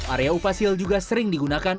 area upas hill juga sering digunakan